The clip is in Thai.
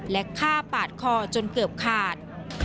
และฆ่าปาดคอจนเกือบขาด